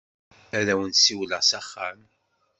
Ad awen-n-siwleɣ s axxam.